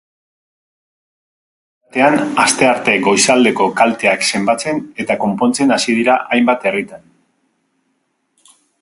Bien bitartean, astearte goizaldeko kalteak zenbatzen eta konpontzen hasi dira hainbat herritan.